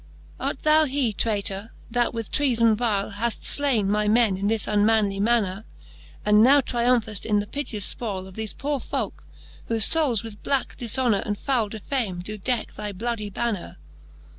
Art thou he, traytor, that with treafon vile, Haft flain my men in this unmanly maner^ And now triumpheft in the piteous fpoile Of thefe poore folk, whofe foules with black difhonor And foule defame doe decke thy bloudy baner